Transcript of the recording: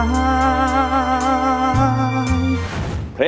ร้องได้ให้ล้าง